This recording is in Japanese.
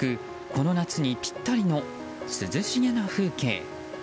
この夏にぴったりの涼しげな風景。